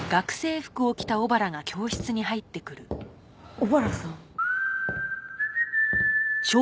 小原さん。